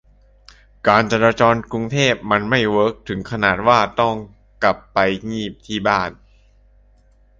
การจราจรกรุงเทพมันไม่เวิร์คถึงขนาดว่าถ้าต้องกลับไปงีบที่บ้าน